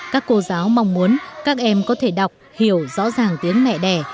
các cô giáo mong muốn các em có thể đọc hiểu rõ ràng tiếng mẹ đẻ